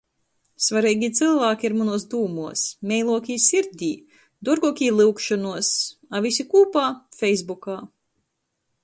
Svareigī cylvāki ir munuos dūmuos, meiluokī sirdī, duorguokī lyugšonuos, a vysi kūpā - feisbukā.